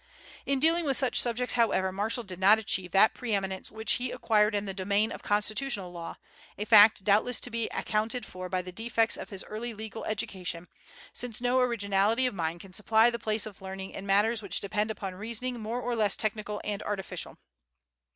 In dealing with such subjects, however, Marshall did not achieve that pre eminence which he acquired in the domain of constitutional law, a fact doubtless to be accounted for by the defects of his early legal education, since no originality of mind can supply the place of learning in matters which depend upon reasoning more or less technical and artificial.